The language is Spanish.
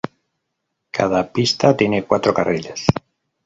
Cada pista tiene cuatro carriles.